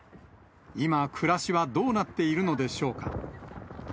今、暮らしはどうなっているのでしょうか。